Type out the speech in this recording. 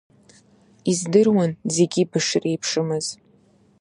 Издыруан зегьы бышреиԥшымыз…